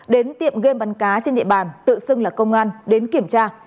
đến tiệm game bắn cá trên địa bàn tự xưng là công an đến kiểm tra